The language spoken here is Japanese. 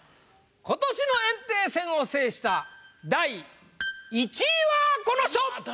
今年の炎帝戦を制した第１位はこの人！